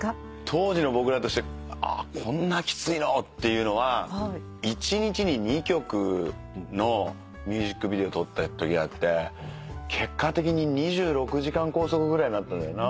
当時の僕らとしてああこんなきついのってのは１日に２曲のミュージックビデオ撮ったときがあって結果的に２６時間拘束ぐらいになったんだよな。